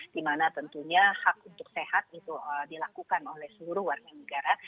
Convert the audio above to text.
di mana tentunya hak untuk sehat itu dilakukan oleh seluruh warga negara